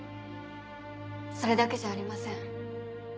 それだけじゃありません。